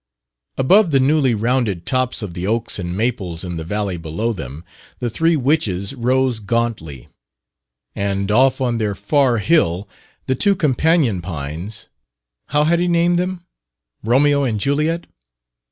Above the newly rounded tops of the oaks and maples in the valley below them the Three Witches rose gauntly; and off on their far hill the two companion pines (how had he named them? Romeo and Juliet?